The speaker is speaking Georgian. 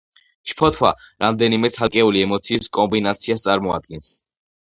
შფოთვა, რამდენიმე ცალკეული ემოციის კომბინაციას წარმოადგენს.